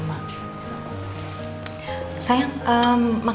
bahkan sama aku